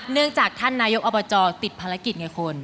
เนื่องจากท่านนายกอบจติดภารกิจไงคุณ